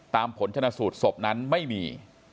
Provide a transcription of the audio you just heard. ตามผลชนะสูดศพนั้นไม่มี